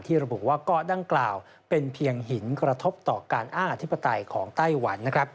ระบุว่าเกาะดังกล่าวเป็นเพียงหินกระทบต่อการอ้างอธิปไตยของไต้หวัน